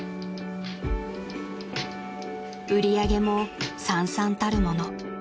［売り上げも惨憺たるもの］